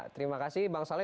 terima kasih bang saleh